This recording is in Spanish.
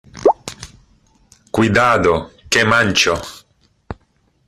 cuidado, que mancho.